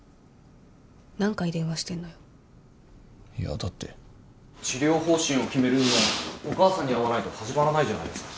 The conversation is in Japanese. いやだって治療方針を決めるにはお母さんに会わないと始まらないじゃないですか。